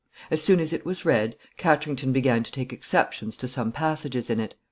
As soon as it was read, Katrington began to take exceptions to some passages in it.